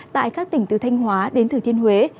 tại các tỉnh từ thanh hóa đến thừa thiên huế